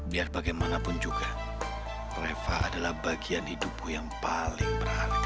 biar bagaimanapun juga reva adalah bagian hidupku yang paling berharga